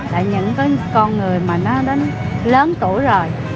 là những cái con người mà nó đến lớn tuổi rồi